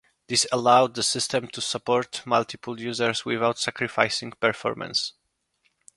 This allowed the system to support multiple users without sacrificing performance.